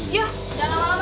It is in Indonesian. yuk gak lama lama